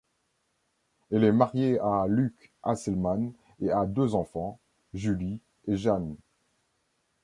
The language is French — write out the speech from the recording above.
Elle est mariée à Luc Asselman et a deux enfants, Julie et Jan.